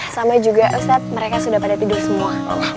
sama juga aset mereka sudah pada tidur semua